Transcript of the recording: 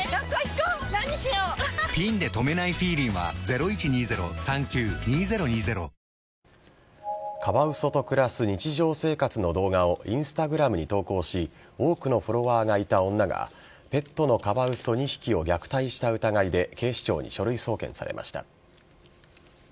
学校は男性教師の言動をカワウソと暮らす日常生活の動画をＩｎｓｔａｇｒａｍに投稿し多くのフォロワーがいた女がペットのカワウソ２匹を虐待した疑いで警視庁に書類送検されました。